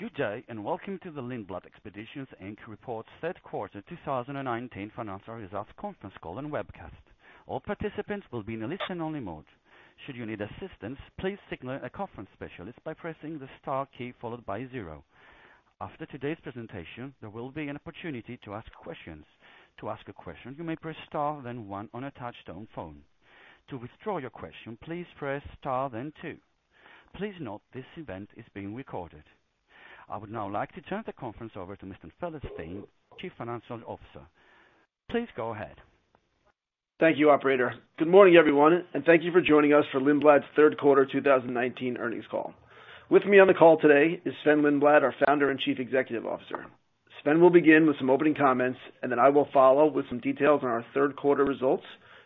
Good day, welcome to the Lindblad Expeditions, Inc., report third quarter 2019 financial results conference call and webcast. All participants will be in a listen-only mode. Should you need assistance, please signal a conference specialist by pressing the star key followed by zero. After today's presentation, there will be an opportunity to ask questions. To ask a question, you may press star, then one on a touch-tone phone. To withdraw your question, please press star, then two. Please note this event is being recorded. I would now like to turn the conference over to Mr. Craig Felenstein, Chief Financial Officer. Please go ahead. Thank you, operator. Good morning, everyone. Thank you for joining us for Lindblad's third quarter 2019 earnings call. With me on the call today is Sven-Olof Lindblad, our Founder and Chief Executive Officer. Sven will begin with some opening comments. Then I will follow with some details on our third quarter results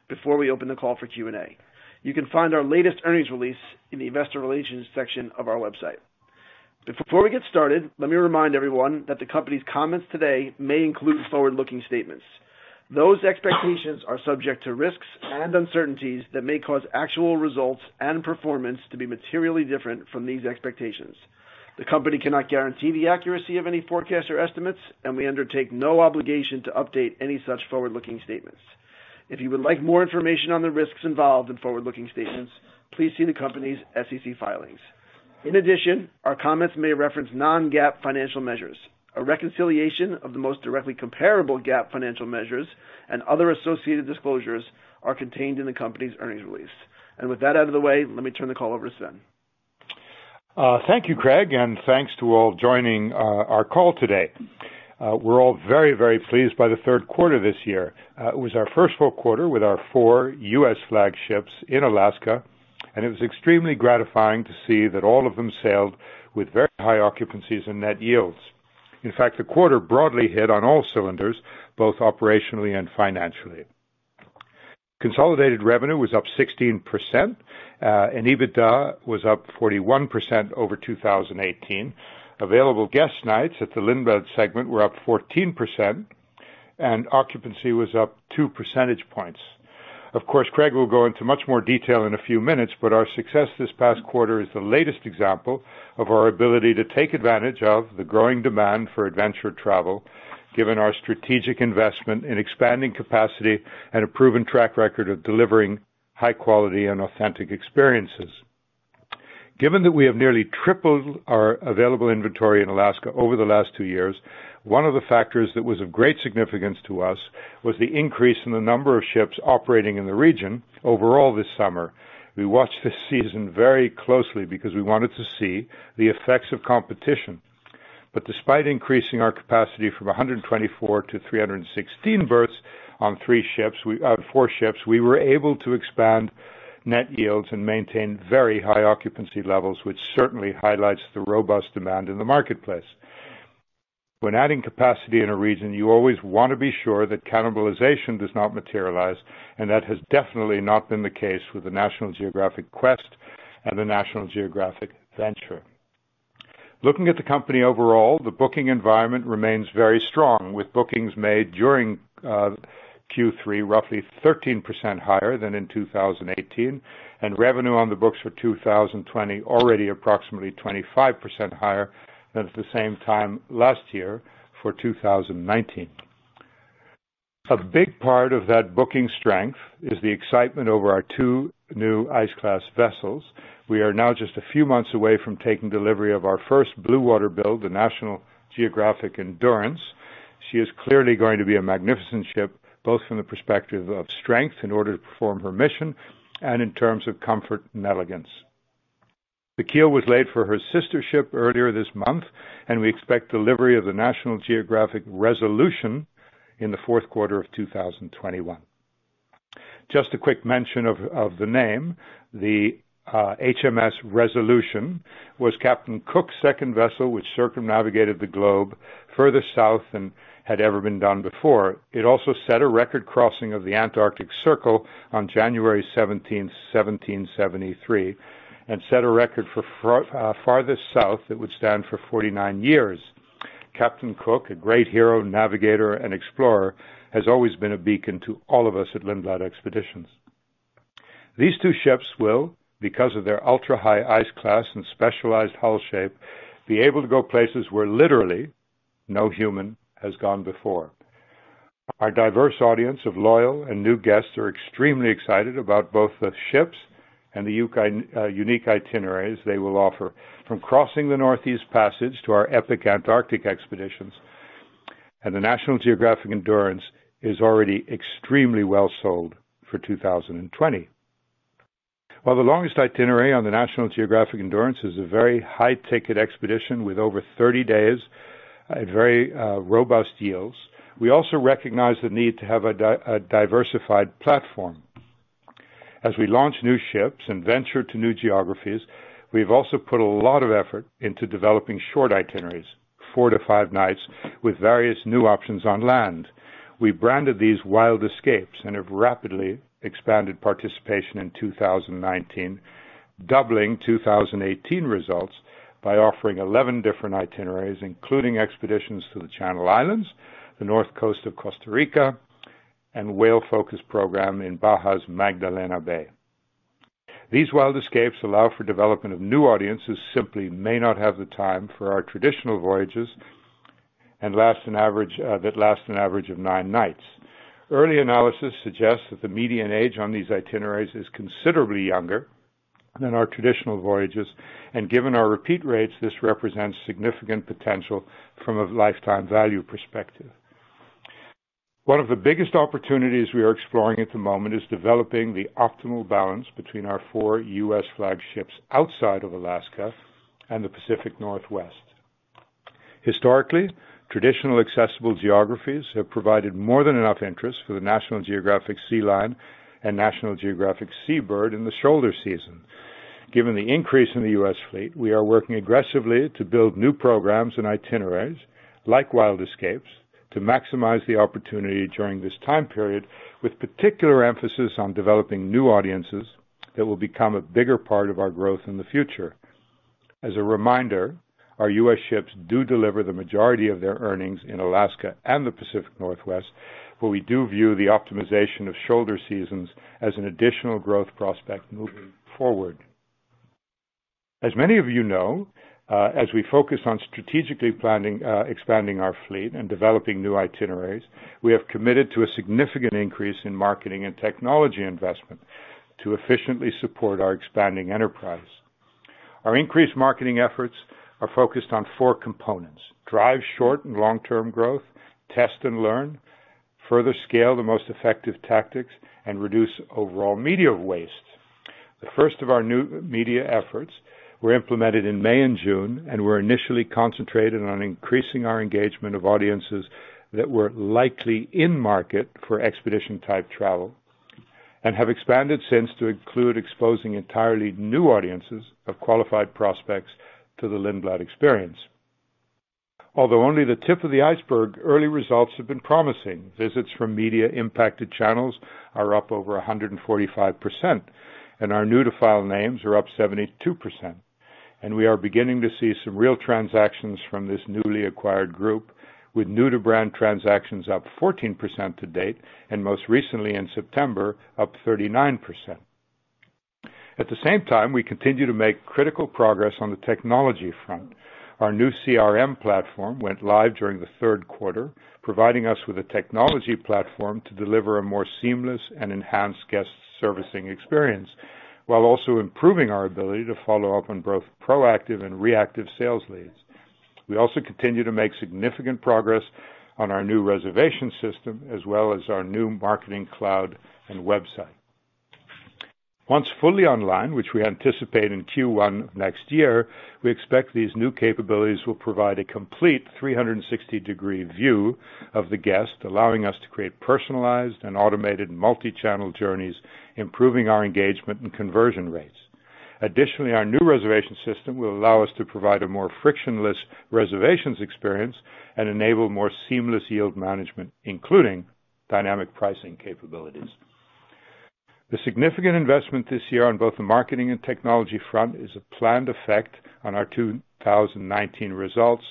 before we open the call for Q&A. You can find our latest earnings release in the investor relations section of our website. Before we get started, let me remind everyone that the company's comments today may include forward-looking statements. Those expectations are subject to risks and uncertainties that may cause actual results and performance to be materially different from these expectations. The company cannot guarantee the accuracy of any forecasts or estimates. We undertake no obligation to update any such forward-looking statements. If you would like more information on the risks involved in forward-looking statements, please see the company's SEC filings. In addition, our comments may reference non-GAAP financial measures. A reconciliation of the most directly comparable GAAP financial measures and other associated disclosures are contained in the company's earnings release. With that out of the way, let me turn the call over to Sven. Thank you, Craig, and thanks to all joining our call today. We're all very, very pleased by the third quarter this year. It was our first full quarter with our four U.S. flagships in Alaska, and it was extremely gratifying to see that all of them sailed with very high occupancies and net yields. In fact, the quarter broadly hit on all cylinders, both operationally and financially. Consolidated revenue was up 16%, and EBITDA was up 41% over 2018. Available guest nights at the Lindblad segment were up 14%, and occupancy was up two percentage points. Of course, Craig will go into much more detail in a few minutes, but our success this past quarter is the latest example of our ability to take advantage of the growing demand for adventure travel, given our strategic investment in expanding capacity and a proven track record of delivering high quality and authentic experiences. Given that we have nearly tripled our available inventory in Alaska over the last two years, one of the factors that was of great significance to us was the increase in the number of ships operating in the region overall this summer. We watched this season very closely because we wanted to see the effects of competition. Despite increasing our capacity from 124 to 316 berths on four ships, we were able to expand net yields and maintain very high occupancy levels, which certainly highlights the robust demand in the marketplace. When adding capacity in a region, you always want to be sure that cannibalization does not materialize, and that has definitely not been the case with the National Geographic Quest and the National Geographic Venture. Looking at the company overall, the booking environment remains very strong, with bookings made during Q3 roughly 13% higher than in 2018, and revenue on the books for 2020 already approximately 25% higher than at the same time last year for 2019. A big part of that booking strength is the excitement over our two new ice-class vessels. We are now just a few months away from taking delivery of our first blue water build, the National Geographic Endurance. She is clearly going to be a magnificent ship, both from the perspective of strength in order to perform her mission and in terms of comfort and elegance. The keel was laid for her sister ship earlier this month, and we expect delivery of the National Geographic Resolution in the fourth quarter of 2021. Just a quick mention of the name. The HMS Resolution was James Cook's second vessel, which circumnavigated the globe further south than had ever been done before. It also set a record crossing of the Antarctic Circle on January 17th, 1773, and set a record for farthest south that would stand for 49 years. James Cook, a great hero, navigator, and explorer, has always been a beacon to all of us at Lindblad Expeditions. These two ships will, because of their ultra-high ice class and specialized hull shape, be able to go places where literally no human has gone before. Our diverse audience of loyal and new guests are extremely excited about both the ships and the unique itineraries they will offer. From crossing the Northeast Passage to our epic Antarctic expeditions, the National Geographic Endurance is already extremely well sold for 2020. While the longest itinerary on the National Geographic Endurance is a very high-ticket expedition with over 30 days at very robust yields, we also recognize the need to have a diversified platform. As we launch new ships and venture to new geographies, we've also put a lot of effort into developing short itineraries, four to five nights, with various new options on land. We branded these Wild Escapes and have rapidly expanded participation in 2019, doubling 2018 results by offering 11 different itineraries, including expeditions to the Channel Islands, the north coast of Costa Rica and whale-focused program in Baja's Magdalena Bay. These Wild Escapes allow for development of new audiences who simply may not have the time for our traditional voyages that last an average of nine nights. Early analysis suggests that the median age on these itineraries is considerably younger than our traditional voyages, and given our repeat rates, this represents significant potential from a lifetime value perspective. One of the biggest opportunities we are exploring at the moment is developing the optimal balance between our four U.S.-flagged ships outside of Alaska and the Pacific Northwest. Historically, traditional accessible geographies have provided more than enough interest for the National Geographic Sea Lion and National Geographic Sea Bird in the shoulder season. Given the increase in the U.S. fleet, we are working aggressively to build new programs and itineraries, like Wild Escapes, to maximize the opportunity during this time period, with particular emphasis on developing new audiences that will become a bigger part of our growth in the future. As a reminder, our U.S. ships do deliver the majority of their earnings in Alaska and the Pacific Northwest, but we do view the optimization of shoulder seasons as an additional growth prospect moving forward. As many of you know, as we focus on strategically expanding our fleet and developing new itineraries, we have committed to a significant increase in marketing and technology investment to efficiently support our expanding enterprise. Our increased marketing efforts are focused on 4 components, drive short and long-term growth, test and learn, further scale the most effective tactics, and reduce overall media waste. The first of our new media efforts were implemented in May and June and were initially concentrated on increasing our engagement of audiences that were likely in market for expedition-type travel, and have expanded since to include exposing entirely new audiences of qualified prospects to the Lindblad experience. Although only the tip of the iceberg, early results have been promising. Visits from media-impacted channels are up over 145%, our new-to-file names are up 72%. We are beginning to see some real transactions from this newly acquired group, with new-to-brand transactions up 14% to date, and most recently in September, up 39%. At the same time, we continue to make critical progress on the technology front. Our new CRM platform went live during the third quarter, providing us with a technology platform to deliver a more seamless and enhanced guest servicing experience, while also improving our ability to follow up on both proactive and reactive sales leads. We also continue to make significant progress on our new reservation system, as well as our new marketing cloud and website. Once fully online, which we anticipate in Q1 of next year, we expect these new capabilities will provide a complete 360-degree view of the guest, allowing us to create personalized and automated multi-channel journeys, improving our engagement and conversion rates. Additionally, our new reservation system will allow us to provide a more frictionless reservations experience and enable more seamless yield management, including dynamic pricing capabilities. The significant investment this year on both the marketing and technology front is a planned effect on our 2019 results,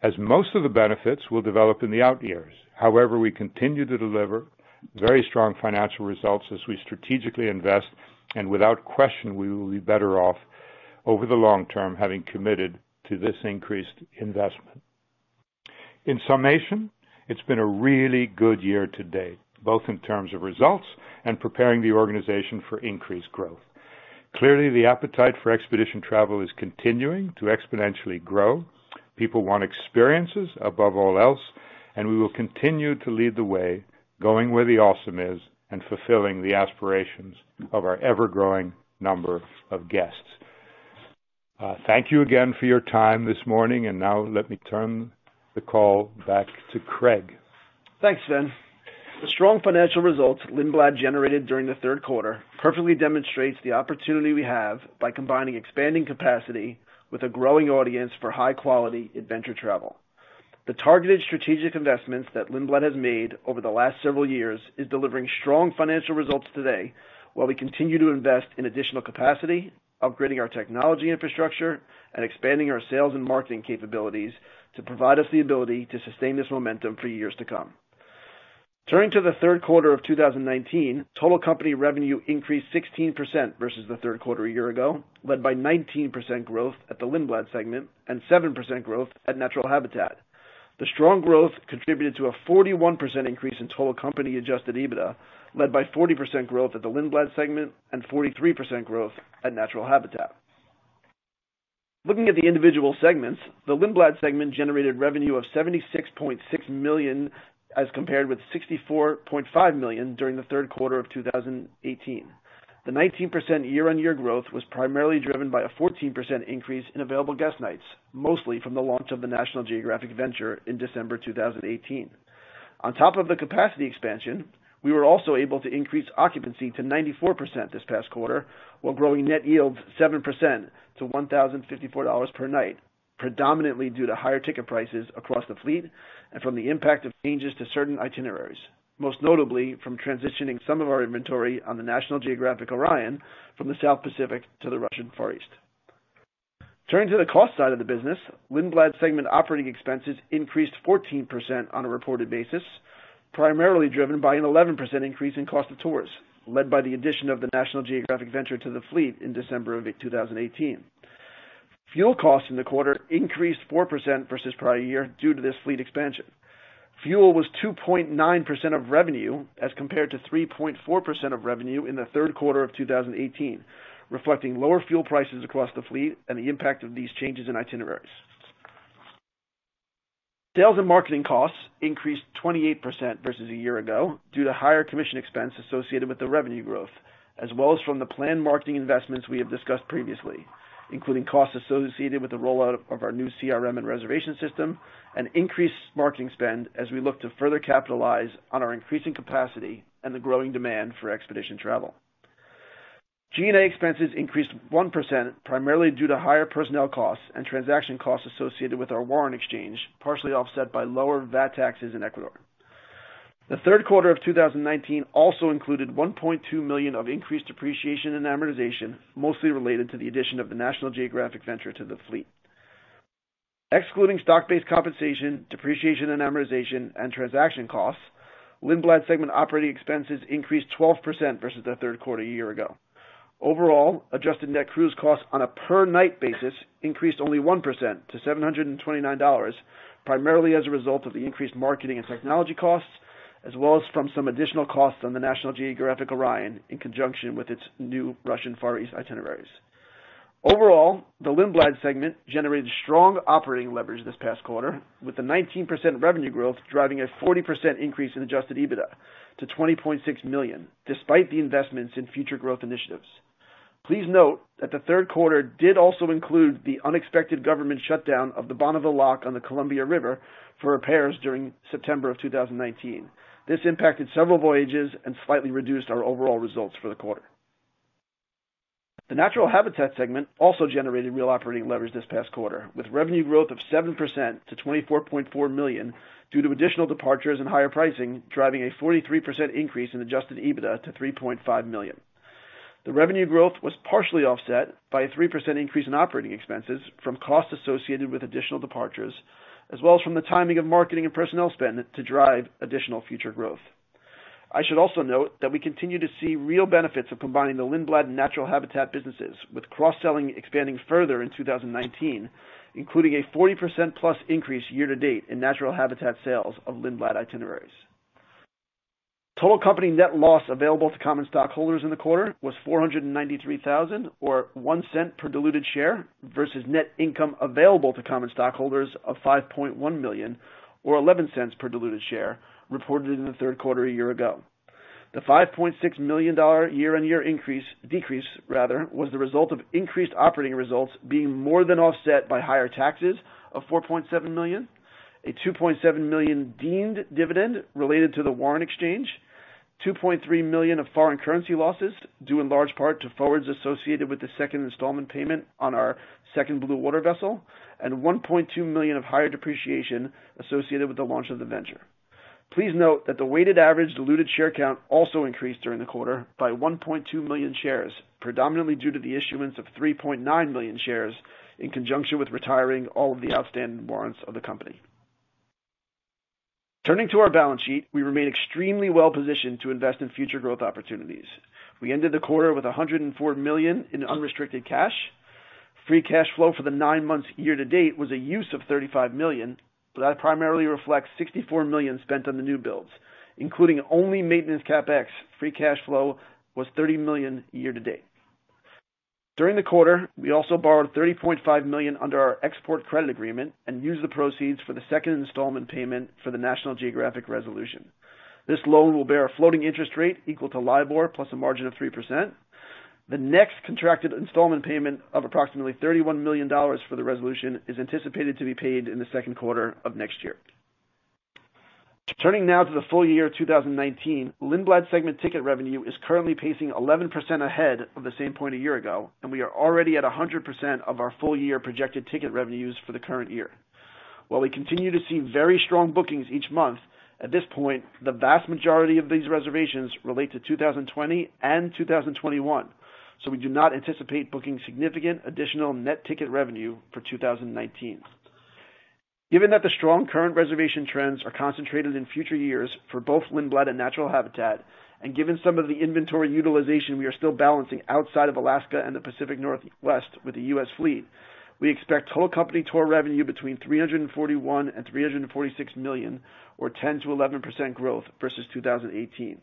as most of the benefits will develop in the out years. However, we continue to deliver very strong financial results as we strategically invest, and without question, we will be better off over the long term having committed to this increased investment. In summation, it's been a really good year to date, both in terms of results and preparing the organization for increased growth. Clearly, the appetite for expedition travel is continuing to exponentially grow. People want experiences above all else, and we will continue to lead the way, going where the awesome is and fulfilling the aspirations of our ever-growing number of guests. Thank you again for your time this morning, and now let me turn the call back to Craig. Thanks, Sven. The strong financial results Lindblad generated during the third quarter perfectly demonstrates the opportunity we have by combining expanding capacity with a growing audience for high-quality adventure travel. The targeted strategic investments that Lindblad has made over the last several years is delivering strong financial results today, while we continue to invest in additional capacity, upgrading our technology infrastructure, and expanding our sales and marketing capabilities to provide us the ability to sustain this momentum for years to come. Turning to the third quarter of 2019, total company revenue increased 16% versus the third quarter a year ago, led by 19% growth at the Lindblad segment and 7% growth at Natural Habitat. The strong growth contributed to a 41% increase in total company adjusted EBITDA, led by 40% growth at the Lindblad segment and 43% growth at Natural Habitat. Looking at the individual segments, the Lindblad segment generated revenue of $76.6 million as compared with $64.5 million during the third quarter of 2018. The 19% year-on-year growth was primarily driven by a 14% increase in available guest nights, mostly from the launch of the National Geographic Venture in December 2018. On top of the capacity expansion, we were also able to increase occupancy to 94% this past quarter, while growing net yields 7% to $1,054 per night, predominantly due to higher ticket prices across the fleet and from the impact of changes to certain itineraries, most notably from transitioning some of our inventory on the National Geographic Orion from the South Pacific to the Russian Far East. Turning to the cost side of the business, Lindblad segment operating expenses increased 14% on a reported basis, primarily driven by an 11% increase in cost of tours, led by the addition of the National Geographic Venture to the fleet in December of 2018. Fuel costs in the quarter increased 4% versus prior year due to this fleet expansion. Fuel was 2.9% of revenue as compared to 3.4% of revenue in the third quarter of 2018, reflecting lower fuel prices across the fleet and the impact of these changes in itineraries. Sales and marketing costs increased 28% versus a year ago due to higher commission expense associated with the revenue growth, as well as from the planned marketing investments we have discussed previously, including costs associated with the rollout of our new CRM and reservation system and increased marketing spend as we look to further capitalize on our increasing capacity and the growing demand for expedition travel. G&A expenses increased 1%, primarily due to higher personnel costs and transaction costs associated with our warrant exchange, partially offset by lower VAT taxes in Ecuador. The third quarter of 2019 also included $1.2 million of increased depreciation and amortization, mostly related to the addition of the National Geographic Venture to the fleet. Excluding stock-based compensation, depreciation and amortization, and transaction costs, Lindblad segment operating expenses increased 12% versus the third quarter a year ago. Overall, adjusted net cruise costs on a per-night basis increased only 1% to $729, primarily as a result of the increased marketing and technology costs, as well as from some additional costs on the National Geographic Orion in conjunction with its new Russian Far East itineraries. Overall, the Lindblad segment generated strong operating leverage this past quarter, with the 19% revenue growth driving a 40% increase in adjusted EBITDA to $20.6 million, despite the investments in future growth initiatives. Please note that the third quarter did also include the unexpected government shutdown of the Bonneville Lock on the Columbia River for repairs during September of 2019. This impacted several voyages and slightly reduced our overall results for the quarter. The Natural Habitat segment also generated real operating leverage this past quarter, with revenue growth of 7% to $24.4 million due to additional departures and higher pricing driving a 43% increase in adjusted EBITDA to $3.5 million. The revenue growth was partially offset by a 3% increase in operating expenses from costs associated with additional departures, as well as from the timing of marketing and personnel spend to drive additional future growth. I should also note that we continue to see real benefits of combining the Lindblad and Natural Habitat businesses with cross-selling expanding further in 2019, including a 40% plus increase year to date in Natural Habitat sales of Lindblad itineraries. Total company net loss available to common stockholders in the quarter was $493,000, or $0.01 per diluted share, versus net income available to common stockholders of $5.1 million or $0.11 per diluted share reported in the third quarter a year ago. The $5.6 million year-on-year increase, decrease rather, was the result of increased operating results being more than offset by higher taxes of $4.7 million, a $2.7 million deemed dividend related to the warrant exchange, $2.3 million of foreign currency losses, due in large part to forwards associated with the second installment payment on our second blue water vessel, and $1.2 million of higher depreciation associated with the launch of the Venture. Please note that the weighted average diluted share count also increased during the quarter by 1.2 million shares, predominantly due to the issuance of 3.9 million shares in conjunction with retiring all of the outstanding warrants of the company. Turning to our balance sheet, we remain extremely well-positioned to invest in future growth opportunities. We ended the quarter with $104 million in unrestricted cash. Free cash flow for the nine months year-to-date was a use of $35 million, that primarily reflects $64 million spent on the new builds, including only maintenance CapEx, free cash flow was $30 million year-to-date. During the quarter, we also borrowed $30.5 million under our export credit agreement and used the proceeds for the second installment payment for the National Geographic Resolution. This loan will bear a floating interest rate equal to LIBOR plus a margin of 3%. The next contracted installment payment of approximately $31 million for the Resolution is anticipated to be paid in the second quarter of next year. Turning now to the full year 2019, Lindblad segment ticket revenue is currently pacing 11% ahead of the same point a year ago, we are already at 100% of our full-year projected ticket revenues for the current year. While we continue to see very strong bookings each month, at this point, the vast majority of these reservations relate to 2020 and 2021. We do not anticipate booking significant additional net ticket revenue for 2019. Given that the strong current reservation trends are concentrated in future years for both Lindblad and Natural Habitat, and given some of the inventory utilization we are still balancing outside of Alaska and the Pacific Northwest with the U.S. fleet, we expect total company tour revenue between $341 million and $346 million, or 10%-11% growth versus 2018.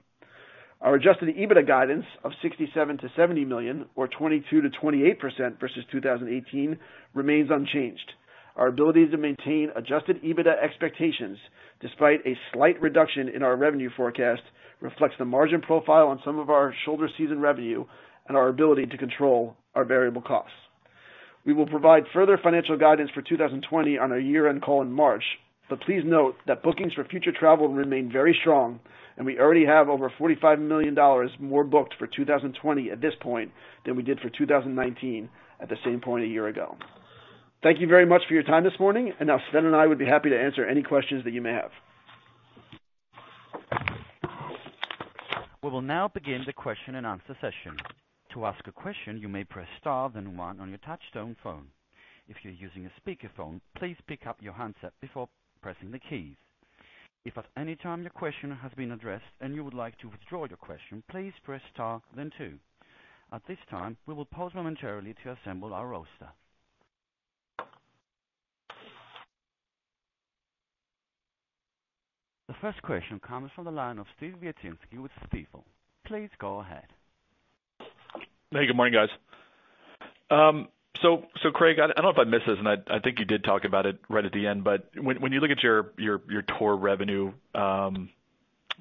Our adjusted EBITDA guidance of $67 million to $70 million, or 22%-28% versus 2018, remains unchanged. Our ability to maintain adjusted EBITDA expectations despite a slight reduction in our revenue forecast reflects the margin profile on some of our shoulder season revenue and our ability to control our variable costs. We will provide further financial guidance for 2020 on our year-end call in March, but please note that bookings for future travel remain very strong, and we already have over $45 million more booked for 2020 at this point than we did for 2019 at the same point a year ago. Thank you very much for your time this morning, and now Sven and I would be happy to answer any questions that you may have. We will now begin the question and answer session. To ask a question, you may press star then one on your touchtone phone. If you're using a speakerphone, please pick up your handset before pressing the keys. If at any time your question has been addressed and you would like to withdraw your question, please press star then two. At this time, we will pause momentarily to assemble our roster. The first question comes from the line of Steve Wieczynski with Stifel. Please go ahead. Hey, good morning, guys. Craig, I don't know if I missed this, and I think you did talk about it right at the end, but when you look at your tour revenue guidance,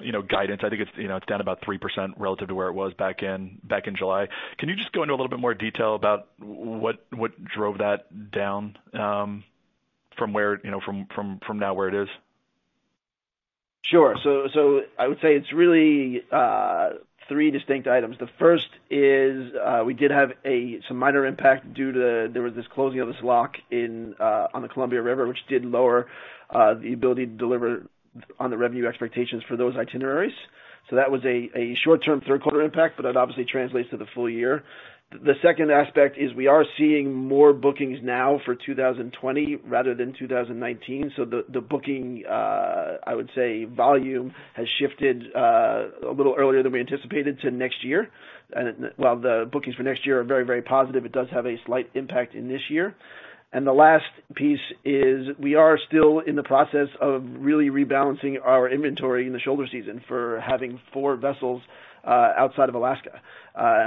I think it's down about 3% relative to where it was back in July. Can you just go into a little bit more detail about what drove that down from now where it is? Sure. I would say it's really three distinct items. The first is we did have some minor impact due to there was this closing of this lock on the Columbia River, which did lower the ability to deliver on the revenue expectations for those itineraries. That was a short-term third quarter impact, but that obviously translates to the full year. The second aspect is we are seeing more bookings now for 2020 rather than 2019. The booking, I would say volume has shifted a little earlier than we anticipated to next year. While the bookings for next year are very positive, it does have a slight impact in this year. The last piece is we are still in the process of really rebalancing our inventory in the shoulder season for having four vessels outside of Alaska.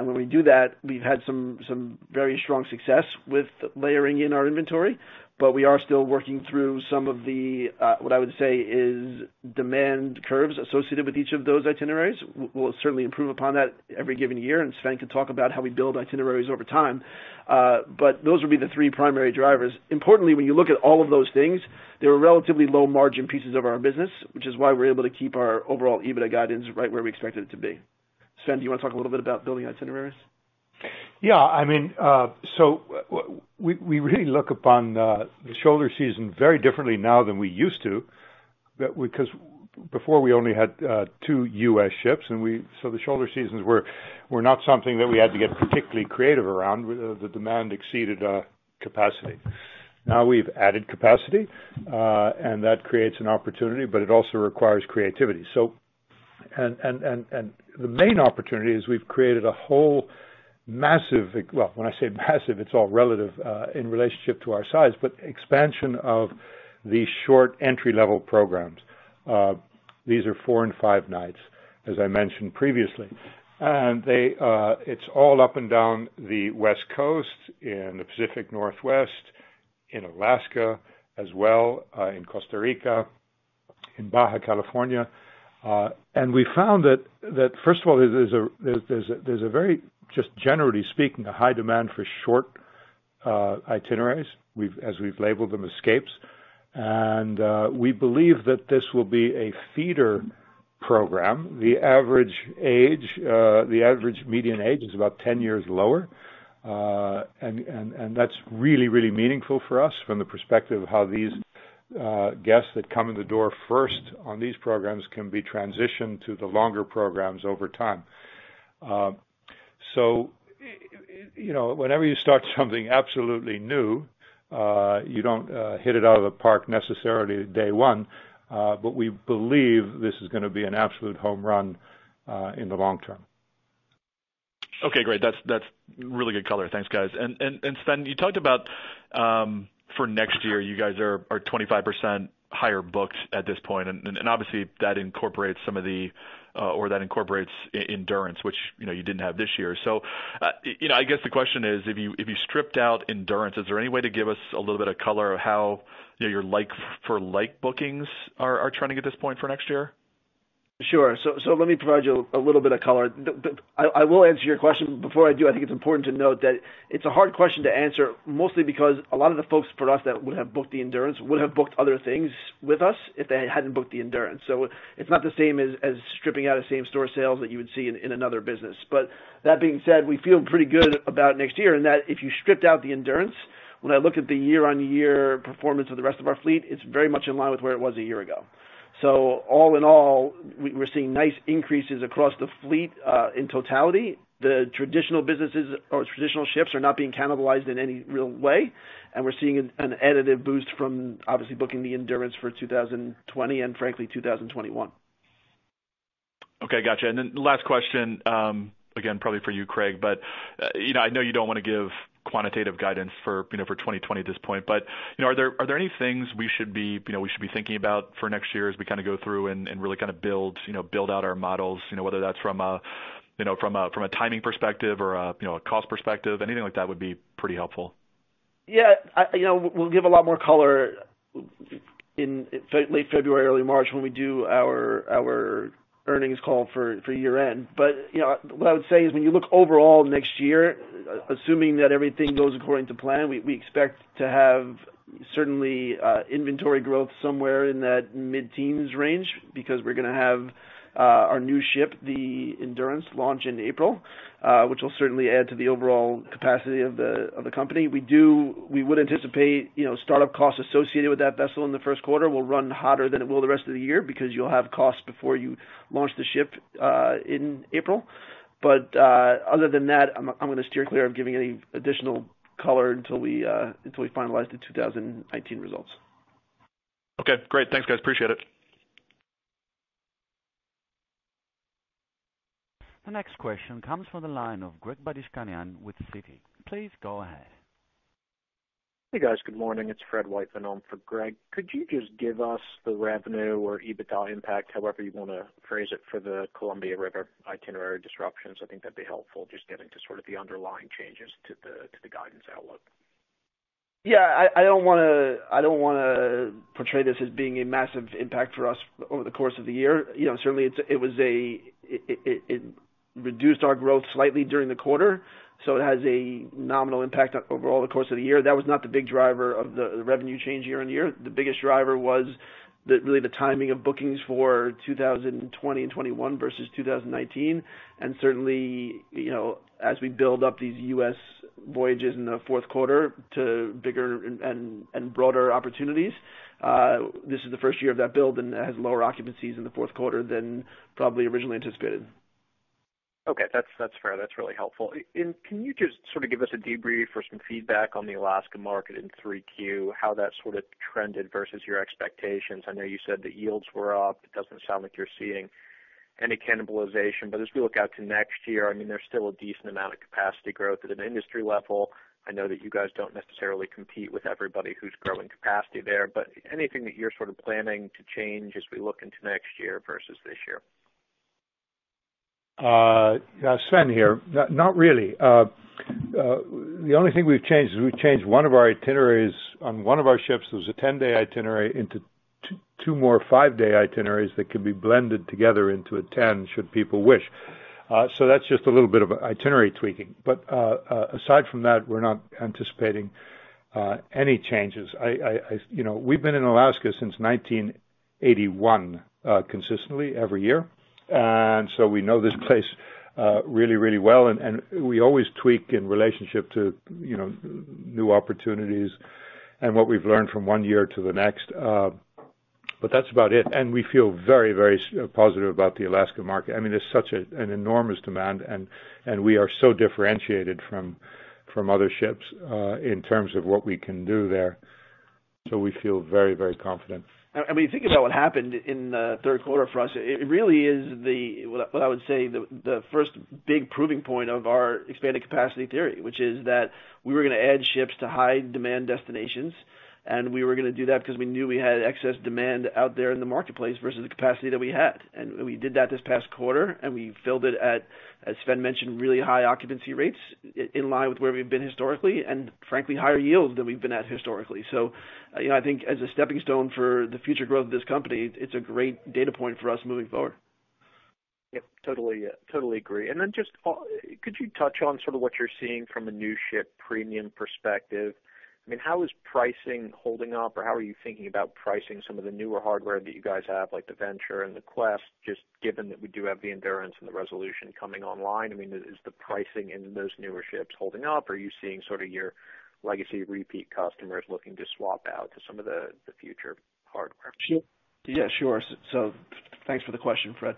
When we do that, we've had some very strong success with layering in our inventory, but we are still working through some of the, what I would say is demand curves associated with each of those itineraries. We'll certainly improve upon that every given year, and Sven can talk about how we build itineraries over time. Those would be the three primary drivers. Importantly, when you look at all of those things, they were relatively low margin pieces of our business, which is why we're able to keep our overall EBITDA guidance right where we expected it to be. Sven, do you want to talk a little bit about building itineraries? We really look upon the shoulder season very differently now than we used to because before we only had two U.S. ships. The shoulder seasons were not something that we had to get particularly creative around. The demand exceeded capacity. Now we've added capacity, and that creates an opportunity, but it also requires creativity. The main opportunity is we've created a whole massive, well, when I say massive, it's all relative in relationship to our size, but expansion of the short entry-level programs. These are four and five nights, as I mentioned previously. It's all up and down the West Coast, in the Pacific Northwest, in Alaska as well, in Costa Rica, in Baja, California. We found that first of all, there's a very, just generally speaking, a high demand for short itineraries as we've labeled them Escapes. We believe that this will be a feeder program. The average median age is about 10 years lower. That's really meaningful for us from the perspective of how these guests that come in the door first on these programs can be transitioned to the longer programs over time. Whenever you start something absolutely new, you don't hit it out of the park necessarily day one. We believe this is going to be an absolute home run in the long term. Okay, great. That's really good color. Thanks, guys. Sven, you talked about for next year, you guys are 25% higher booked at this point, obviously that incorporates Endurance, which you didn't have this year. I guess the question is, if you stripped out Endurance, is there any way to give us a little bit of color how your like for like bookings are trending at this point for next year? Sure. Let me provide you a little bit of color. I will answer your question, before I do, I think it's important to note that it's a hard question to answer, mostly because a lot of the folks for us that would have booked the Endurance would have booked other things with us if they hadn't booked the Endurance. That being said, we feel pretty good about next year, and that if you stripped out the Endurance, when I look at the year-on-year performance of the rest of our fleet, it's very much in line with where it was a year ago. All in all, we're seeing nice increases across the fleet in totality. The traditional businesses or traditional ships are not being cannibalized in any real way. We're seeing an additive boost from obviously booking the Endurance for 2020 and frankly, 2021. Okay, got you. The last question, again, probably for you, Craig, but I know you don't want to give quantitative guidance for 2020 at this point, but are there any things we should be thinking about for next year as we go through and really build out our models, whether that's from a timing perspective or a cost perspective? Anything like that would be pretty helpful. Yeah. We'll give a lot more color in late February, early March when we do our earnings call for year-end. What I would say is when you look overall next year, assuming that everything goes according to plan, we expect to have certainly inventory growth somewhere in that mid-teens range because we're gonna have our new ship, the Endurance, launch in April, which will certainly add to the overall capacity of the company. We would anticipate startup costs associated with that vessel in the first quarter will run hotter than it will the rest of the year because you'll have costs before you launch the ship in April. Other than that, I'm going to steer clear of giving any additional color until we finalize the 2019 results. Okay, great. Thanks, guys. Appreciate it. The next question comes from the line of Greg Badishkanian with Citi. Please go ahead. Hey, guys. Good morning. It's Fred White, filling in for Greg. Could you just give us the revenue or EBITDA impact, however you want to phrase it, for the Columbia River itinerary disruptions? I think that'd be helpful, just getting to sort of the underlying changes to the guidance outlook. Yeah. I don't want to portray this as being a massive impact for us over the course of the year. Certainly, it reduced our growth slightly during the quarter. It has a nominal impact overall the course of the year. That was not the big driver of the revenue change year-over-year. The biggest driver was really the timing of bookings for 2020 and 2021 versus 2019. Certainly, as we build up these U.S. voyages in the fourth quarter to bigger and broader opportunities, this is the first year of that build, and that has lower occupancies in the fourth quarter than probably originally anticipated. Okay. That's fair. That's really helpful. Can you just sort of give us a debrief or some feedback on the Alaska market in Q3, how that sort of trended versus your expectations? I know you said the yields were up. It doesn't sound like you're seeing any cannibalization. As we look out to next year, there's still a decent amount of capacity growth at an industry level. I know that you guys don't necessarily compete with everybody who's growing capacity there, but anything that you're sort of planning to change as we look into next year versus this year? Sven here. Not really. The only thing we've changed is we've changed one of our itineraries on one of our ships. There's a 10-day itinerary into two more five-day itineraries that could be blended together into a 10, should people wish. That's just a little bit of itinerary tweaking. Aside from that, we're not anticipating any changes. We've been in Alaska since 1981, consistently every year. We know this place really, really well, and we always tweak in relationship to new opportunities and what we've learned from one year to the next. That's about it. We feel very, very positive about the Alaska market. There's such an enormous demand, and we are so differentiated from other ships in terms of what we can do there. We feel very, very confident. If you think about what happened in the third quarter for us, it really is, what I would say, the first big proving point of our expanded capacity theory, which is that we were going to add ships to high-demand destinations, and we were going to do that because we knew we had excess demand out there in the marketplace versus the capacity that we had. We did that this past quarter, and we filled it at, as Sven mentioned, really high occupancy rates in line with where we've been historically, and frankly, higher yields than we've been at historically. I think as a stepping stone for the future growth of this company, it's a great data point for us moving forward. Yep, totally agree. Just could you touch on sort of what you're seeing from a new ship premium perspective? How is pricing holding up, or how are you thinking about pricing some of the newer hardware that you guys have, like the Venture and the Quest, just given that we do have the Endurance and the Resolution coming online? Is the pricing in those newer ships holding up? Are you seeing sort of your legacy repeat customers looking to swap out to some of the future hardware? Yeah, sure. Thanks for the question, Fred.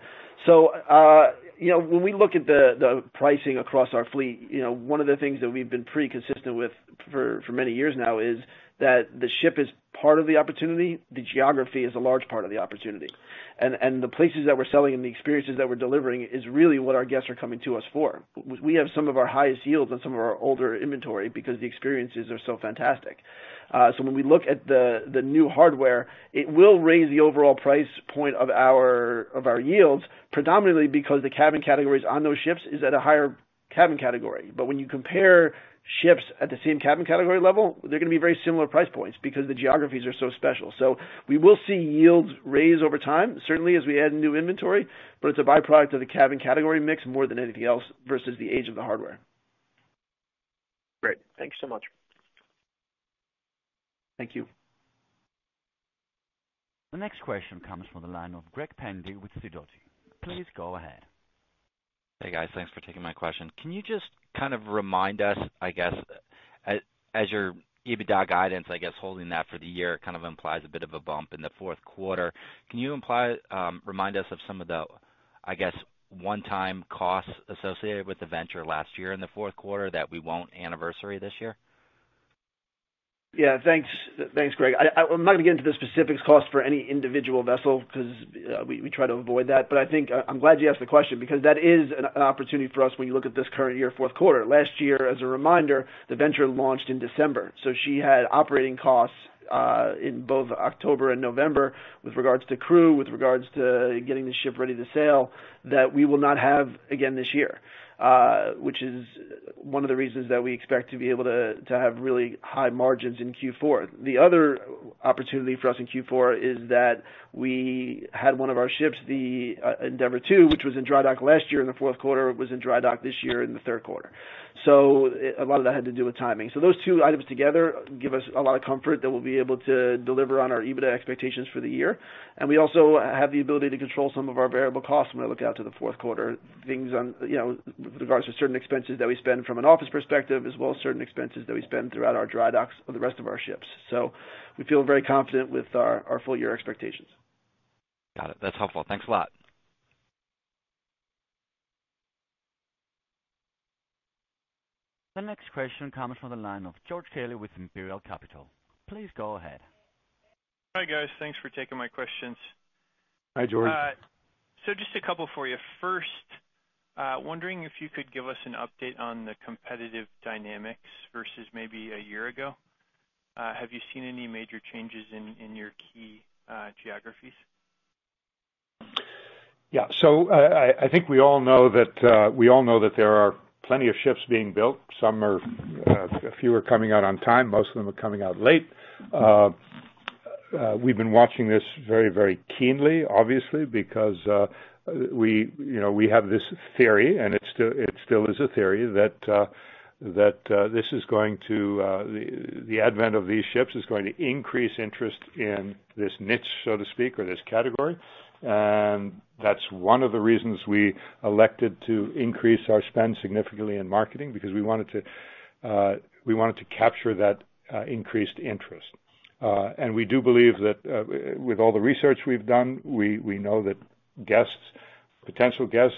When we look at the pricing across our fleet, one of the things that we've been pretty consistent with for many years now is that the ship is part of the opportunity. The geography is a large part of the opportunity. The places that we're selling and the experiences that we're delivering is really what our guests are coming to us for. We have some of our highest yields on some of our older inventory because the experiences are so fantastic. When we look at the new hardware, it will raise the overall price point of our yields predominantly because the cabin categories on those ships is at a higher cabin category. When you compare ships at the same cabin category level, they're going to be very similar price points because the geographies are so special. We will see yields rise over time, certainly as we add new inventory, but it's a byproduct of the cabin category mix more than anything else versus the age of the hardware. Great. Thank you so much. Thank you. The next question comes from the line of Gregory Pendy with Sidoti & Company. Please go ahead. Hey, guys. Thanks for taking my question. Can you just kind of remind us, I guess, as your EBITDA guidance, I guess holding that for the year kind of implies a bit of a bump in the fourth quarter. Can you remind us of some of the, I guess, one-time costs associated with the Venture last year in the fourth quarter that we won't anniversary this year? Thanks, Greg. I'm not going to get into the specifics cost for any individual vessel because we try to avoid that. I think I'm glad you asked the question because that is an opportunity for us when you look at this current year, fourth quarter. Last year, as a reminder, the Venture launched in December, so she had operating costs in both October and November with regards to crew, with regards to getting the ship ready to sail, that we will not have again this year, which is one of the reasons that we expect to be able to have really high margins in Q4. The other opportunity for us in Q4 is that we had one of our ships, the Endeavour II, which was in dry dock last year in the fourth quarter, was in dry dock this year in the third quarter. A lot of that had to do with timing. Those two items together give us a lot of comfort that we'll be able to deliver on our EBITDA expectations for the year. We also have the ability to control some of our variable costs when we look out to the fourth quarter. Things with regards to certain expenses that we spend from an office perspective, as well as certain expenses that we spend throughout our dry docks of the rest of our ships. We feel very confident with our full-year expectations. Got it. That's helpful. Thanks a lot. The next question comes from the line of George Taylor with Imperial Capital. Please go ahead. Hi, guys. Thanks for taking my questions. Hi, George. Just a couple for you. First, wondering if you could give us an update on the competitive dynamics versus maybe a year ago. Have you seen any major changes in your key geographies? Yeah. I think we all know that there are plenty of ships being built. A few are coming out on time. Most of them are coming out late. We've been watching this very keenly, obviously, because we have this theory, and it still is a theory, that the advent of these ships is going to increase interest in this niche, so to speak, or this category. That's one of the reasons we elected to increase our spend significantly in marketing, because we wanted to capture that increased interest. We do believe that with all the research we've done, we know that potential guests,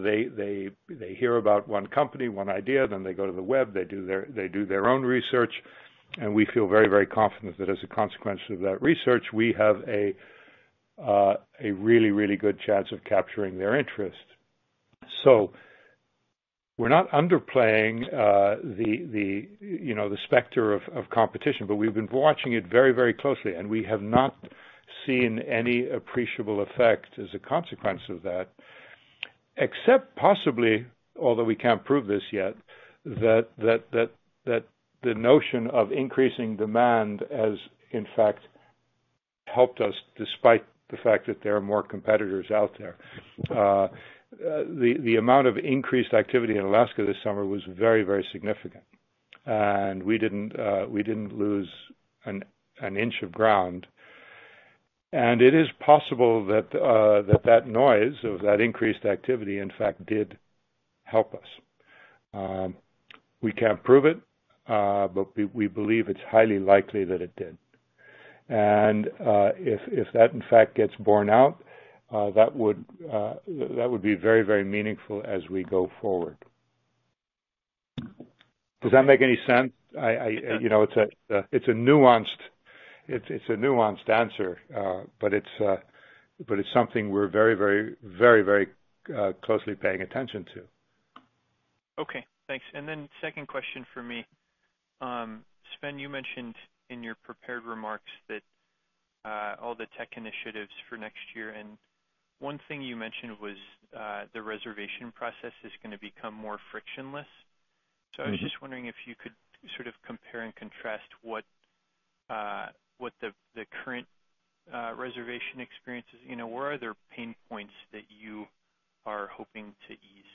they hear about one company, one idea, then they go to the web, they do their own research, and we feel very confident that as a consequence of that research, we have a really good chance of capturing their interest. We're not underplaying the specter of competition, but we've been watching it very closely, and we have not seen any appreciable effect as a consequence of that. Except possibly, although we can't prove this yet, that the notion of increasing demand has, in fact, helped us despite the fact that there are more competitors out there. The amount of increased activity in Alaska this summer was very significant. We didn't lose an inch of ground. It is possible that noise of that increased activity, in fact, did help us. We can't prove it, but we believe it's highly likely that it did. If that, in fact, gets borne out, that would be very meaningful as we go forward. Does that make any sense? It's a nuanced answer, but it's something we're very closely paying attention to. Okay, thanks. Second question for me. Sven, you mentioned in your prepared remarks all the tech initiatives for next year, and one thing you mentioned was the reservation process is going to become more frictionless. I was just wondering if you could sort of compare and contrast what the current reservation experience is. Where are there pain points that you are hoping to ease?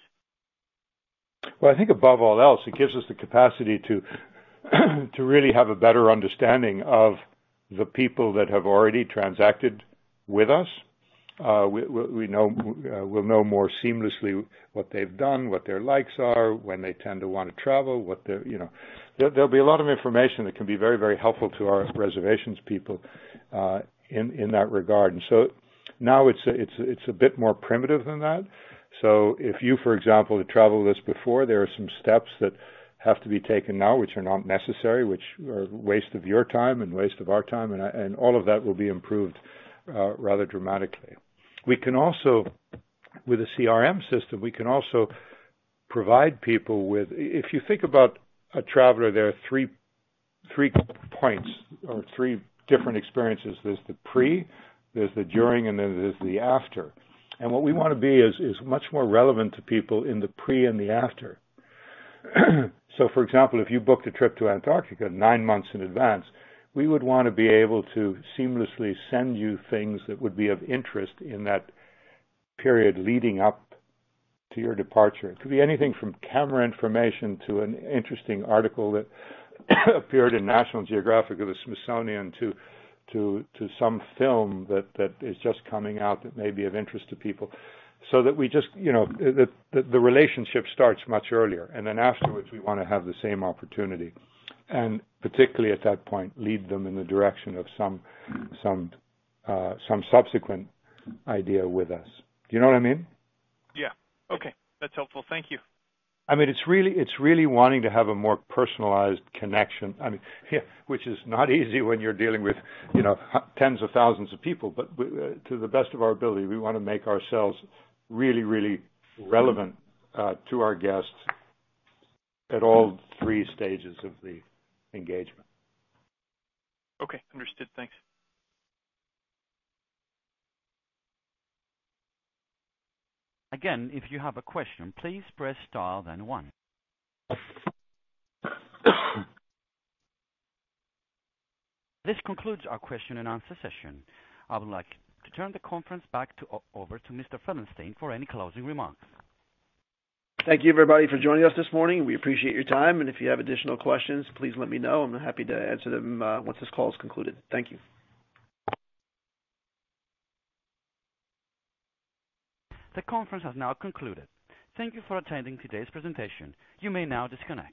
Well, I think above all else, it gives us the capacity to really have a better understanding of the people that have already transacted with us. We'll know more seamlessly what they've done, what their likes are, when they tend to want to travel. There'll be a lot of information that can be very helpful to our reservations people in that regard. Now it's a bit more primitive than that. If you, for example, have traveled with us before, there are some steps that have to be taken now, which are not necessary, which are a waste of your time and waste of our time, and all of that will be improved rather dramatically. With a CRM system, we can also provide people with. If you think about a traveler, there are three points or three different experiences. There's the pre, there's the during, and then there's the after. What we want to be is much more relevant to people in the pre and the after. For example, if you booked a trip to Antarctica 9 months in advance, we would want to be able to seamlessly send you things that would be of interest in that period leading up to your departure. It could be anything from camera information to an interesting article that appeared in National Geographic or The Smithsonian to some film that is just coming out that may be of interest to people. That the relationship starts much earlier. Then afterwards, we want to have the same opportunity. Particularly at that point, lead them in the direction of some subsequent idea with us. Do you know what I mean? Yeah. Okay. That's helpful. Thank you. It's really wanting to have a more personalized connection. Which is not easy when you're dealing with tens of thousands of people, but to the best of our ability, we want to make ourselves really relevant to our guests at all 3 stages of the engagement. Okay. Understood. Thanks. Again, if you have a question, please press star, then one. This concludes our question and answer session. I would like to turn the conference back over to Mr. Felenstein for any closing remarks. Thank you, everybody, for joining us this morning. We appreciate your time. If you have additional questions, please let me know. I'm happy to answer them once this call is concluded. Thank you. The conference has now concluded. Thank you for attending today's presentation. You may now disconnect.